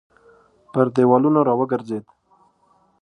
پر دېوالونو راوګرځېد.